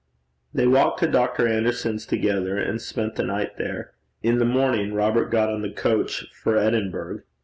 They walked to Dr. Anderson's together, and spent the night there. In the morning Robert got on the coach for Edinburgh.